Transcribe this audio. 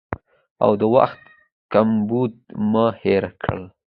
او د وخت کمبود مو هېر کړ